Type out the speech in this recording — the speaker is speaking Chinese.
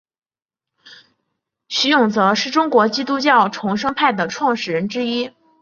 徐永泽是中国基督教重生派的创始人之一。